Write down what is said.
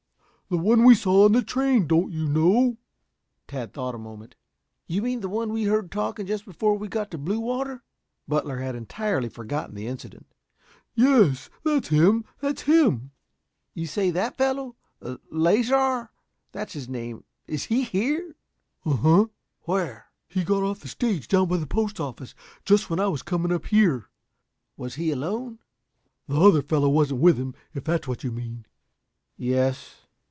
"The one we saw on the train. Don't you know?" Tad thought a moment. "You mean the one we heard talking just before we got to Bluewater?" Butler had entirely forgotten the incident. "Yes; that's him! That's him," exploded Stacy. "You say that fellow Lasar, that's his name is he here!" "Uh huh." "Where?" "He got off the stage down by the postoffice, just when I was coming up here." "Was he alone?" "The other fellow wasn't with him, if that's what you mean?" "Yes."